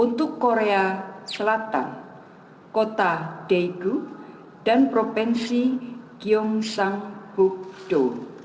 untuk korea selatan kota daegu dan provinsi gyeongsangbuk do